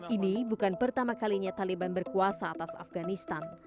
ini bukan pertama kalinya taliban berkuasa atas afganistan